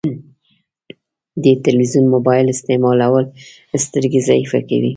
ډير تلويزون مبايل استعمالول سترګي ضعیفه کوی